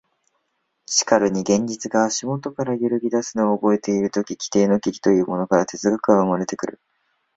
しかるに現実が足下から揺ぎ出すのを覚えるとき、基底の危機というものから哲学は生まれてくる。